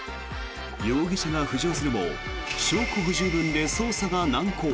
容疑者が浮上するも証拠不十分で捜査が難航。